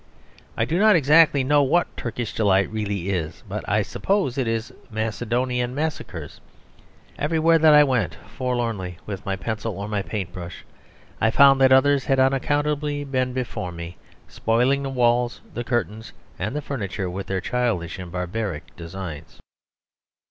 I do not exactly know what Turkish Delight really is; but I suppose it is Macedonian Massacres. Everywhere that I went forlornly, with my pencil or my paint brush, I found that others had unaccountably been before me, spoiling the walls, the curtains, and the furniture with their childish and barbaric designs.